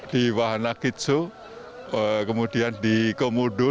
di wahana kitsu kemudian di komodo